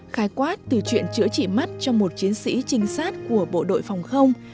khai quát từ chuyện chữa trị mắt cho một chiến sĩ trinh sát của bộ đội phòng không